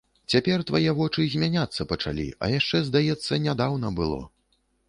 Цяпер твае вочы змяняцца пачалі, а яшчэ, здаецца, нядаўна было!